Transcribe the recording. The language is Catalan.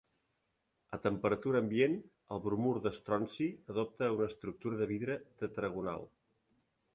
A temperatura ambient, el bromur d'estronci adopta una estructura de vidre tetragonal.